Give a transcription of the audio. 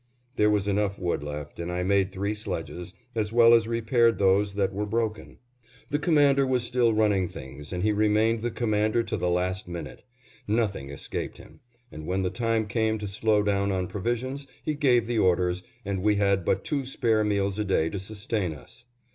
There was enough wood left and I made three sledges, as well as repaired those that were broken. The Commander was still running things and he remained the commander to the last minute; nothing escaped him, and when the time came to slow down on provisions, he gave the orders, and we had but two spare meals a day to sustain us.